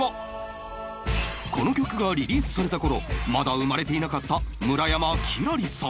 この曲がリリースされた頃まだ生まれていなかった村山輝星さん